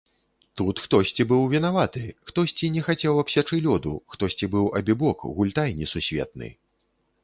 Тут хтосьці быў вінаваты, хтосьці не хацеў абсячы лёду, хтосьці быў абібок, гультай несусветны.